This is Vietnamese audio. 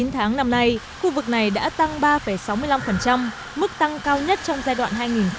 chín tháng năm nay khu vực này đã tăng ba sáu mươi năm mức tăng cao nhất trong giai đoạn hai nghìn một mươi sáu hai nghìn hai mươi